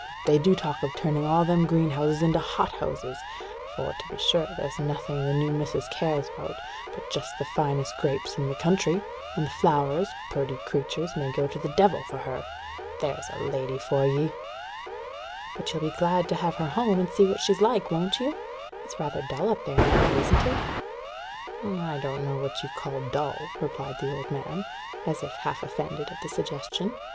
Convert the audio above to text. They do talk of turning all them greenhouses into hothouses; for, to be sure, there's nothing the new missus cares about but just the finest grapes in the country; and the flowers, purty creatures, may go to the devil for her. There's a lady for ye!" "But you'll be glad to have her home, and see what she's like, won't you? It's rather dull up there now, isn't it?" "I don't know what you call dull," replied the old man, as if half offended at the suggestion.